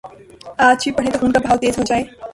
آج بھی پڑھیں تو خون کا بہاؤ تیز ہو جائے۔